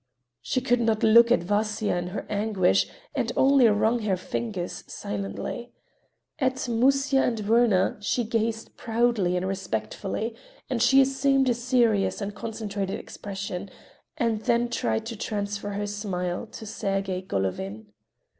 She could not look at Vasya in her anguish and only wrung her fingers silently. At Musya and Werner she gazed proudly and respectfully, and she assumed a serious and concentrated expression, and then tried to transfer her smile to Sergey Golovin.